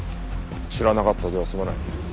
知らなかったでは済まない。